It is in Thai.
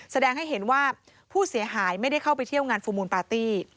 แสดงให้เห็นว่าผู้เสียหายไม่ได้เข้าไปเที่ยวงานฟูลมูลปาร์ตี้